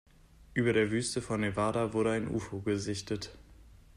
Über der Wüste von Nevada wurde ein Ufo gesichtet.